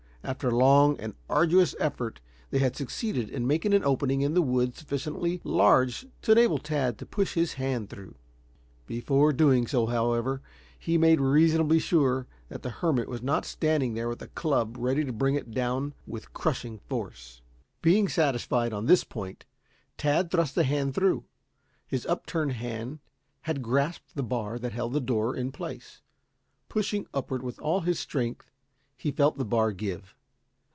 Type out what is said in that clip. After long and arduous effort they had succeeded in making an opening in the wood sufficiently large to enable Tad to push his hand through. Before doing so, however, he made reasonably sure that the hermit was not standing there with a club ready to bring it down with crushing force. Being satisfied on this point, Tad thrust a hand through. His upturned hand had grasped the bar that held the door in place. Pushing upward with all his strength he felt the bar give.